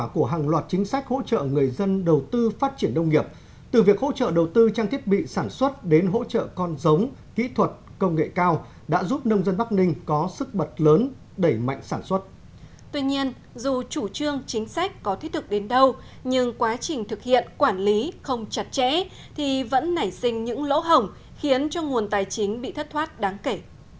chính sách có thiết thực đến đâu nhưng quá trình thực hiện quản lý không chặt chẽ thì vẫn nảy sinh những lỗ hổng khiến cho nguồn tài chính bị thất thoát đáng kể